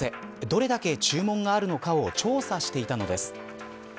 どれだけ注文があるのかを調査していたのです。